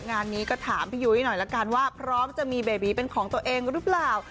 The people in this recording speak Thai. งานนี้ก็ถามพี่ยุ้ยหน่อยละกันว่าพร้อมจะมีเบบีเป็นของตัวเองหรือเปล่า